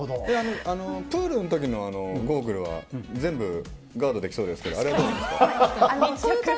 プールの時のゴーグルは全部、ガードできそうですけどあれはどうですか？